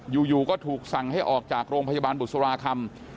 อยู่ก็ถูกสั่งให้ออกจากโรงพยาบาลบุษราคำ